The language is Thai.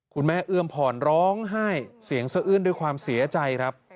เอื้อมผ่อนร้องไห้เสียงสะอื้นด้วยความเสียใจครับ